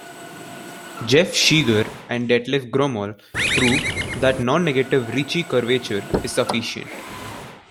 Jeff Cheeger and Detlef Gromoll proved that non-negative Ricci curvature is sufficient.